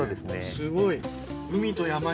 すごい。